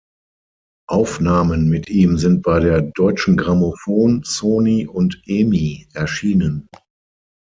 Aufnahmen mit ihm sind bei der "Deutschen Grammophon", "Sony" und "Emi" erschienen.